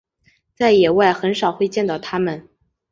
在野外很少会见到它们。